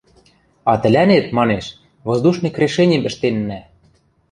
А тӹлӓнет, манеш, воздушный крешеним ӹштеннӓ...